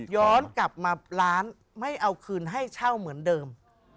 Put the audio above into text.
ย้อนกลับมาร้านไม่เอาคืนให้เช่าเหมือนเดิม